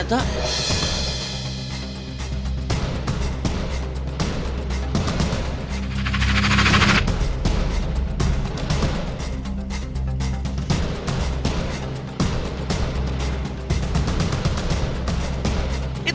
itu nyamperin ke sini